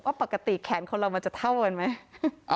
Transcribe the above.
ปกติแขนคนเรามันจะเท่ากันไหม